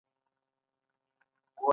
روغتونونه باید پاک وي